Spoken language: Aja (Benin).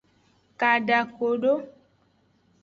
Kadakodo.